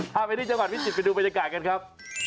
ไปที่จังหวัดพิจิตรไปดูบรรยากาศกันครับ